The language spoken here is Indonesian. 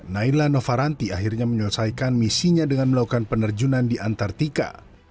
naila novaranti akhirnya menyelesaikan misinya dengan melakukan penerjunan di antartika